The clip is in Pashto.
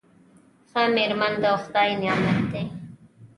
ښه میرمن د خدای نعمت دی.